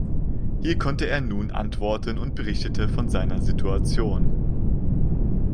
Hier konnte er nun antworten und berichtete von seiner Situation.